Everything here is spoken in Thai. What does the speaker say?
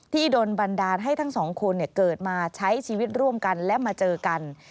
โดนบันดาลให้ทั้งสองคนเกิดมาใช้ชีวิตร่วมกันและมาเจอกัน